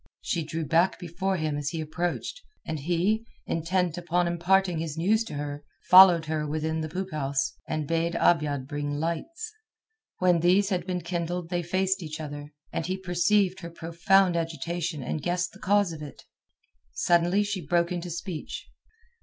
She drew back before him as he approached, and he, intent upon imparting his news to her, followed her within the poop house, and bade Abiad bring lights. When these had been kindled they faced each other, and he perceived her profound agitation and guessed the cause of it. Suddenly she broke into speech.